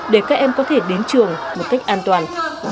để các em có thể đến trường một cách an toàn